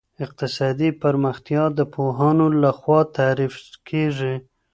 اقتصادي پرمختيا د پوهانو لخوا تعريف کيږي.